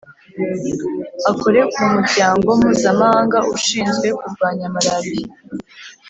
akore mu muryango mpuzamahanga ushinzwe kurwanya malariya